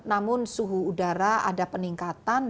namun suhu udara ada peningkatan